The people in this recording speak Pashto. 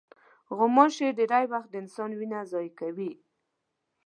غوماشې ډېری وخت د انسان وینه ضایع کوي.